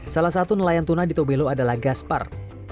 salah satu nelayan tuna di tobelo adalah gaspar